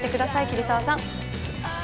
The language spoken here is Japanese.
桐沢さん。